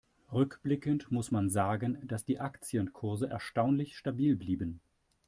Rückblickend muss man sagen, dass die Aktienkurse erstaunlich stabil blieben.